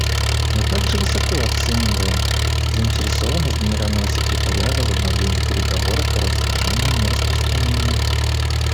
Мы также высоко оцениваем заинтересованность Генерального секретаря в возобновлении переговоров по разоружению и нераспространению.